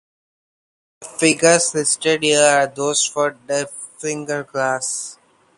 The figures listed here are those for the "Derfflinger" class.